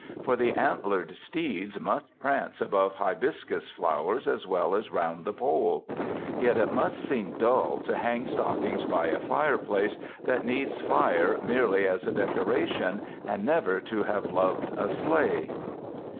For the antlered steeds must prance above hibiscus flowers as well as round the Pole. Yet it must seem dull to hang stockings by a fireplace that needs fire merely as a decoration and never to have loved a sleigh!